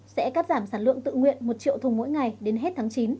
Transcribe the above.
sẽ cắt giảm sản lượng tự nguyện một triệu thùng mỗi ngày đến hết tháng chín